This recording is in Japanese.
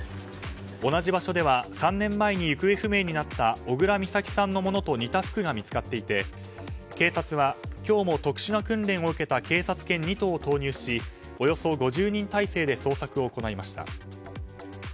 同じ場所では３年前に行方不明になった小倉美咲さんのものと似た服が見つかっていて警察は、今日も特殊な訓練を受けた警察犬２頭を投入しおよそ５０人態勢で捜索を行いました。